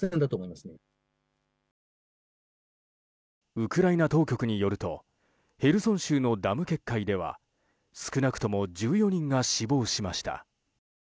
ウクライナ当局によるとヘルソン州のダム決壊では少なくとも１４人が死亡しました。